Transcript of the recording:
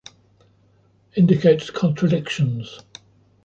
Indicates contradictions.